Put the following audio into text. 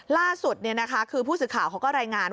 ล่าสุดคือผู้สื่อข่าวเขาก็รายงาน